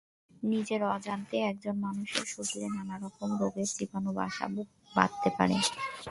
নিজের অজান্তেই একজন মানুষের শরীরে নানা রকম রোগের জীবাণু বাসা বাঁধতে পারে।